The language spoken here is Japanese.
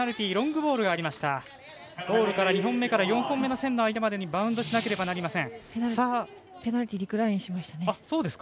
ゴールから２本目から４本目の線までにバウンドしないといけません。